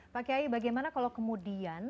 pak kiai bagaimana kalau kemudian